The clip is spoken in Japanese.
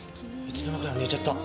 いつの間にか寝ちゃった。